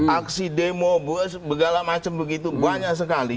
aksi demo segala macam begitu banyak sekali